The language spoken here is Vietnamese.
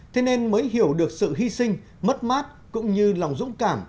thế nên mới hiểu được sự hy sinh mất mát cũng như lòng dũng cảm